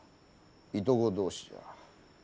いとこ同士じゃ。